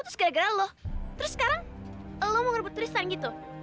pembicaraan udah selesai